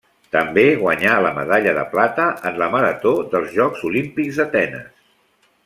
També guanyà la medalla de plata en la marató dels Jocs Olímpics d'Atenes.